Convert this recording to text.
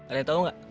ada yang tau gak